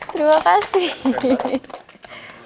terima kasih ya